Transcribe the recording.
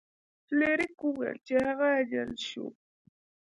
فلیریک وویل چې هغه جل شو.